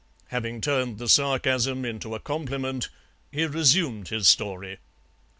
Having turned the sarcasm into a compliment, he resumed his story.